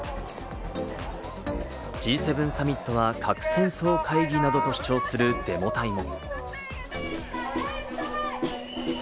Ｇ７サミットは核戦争会議などと主張するデモ隊も。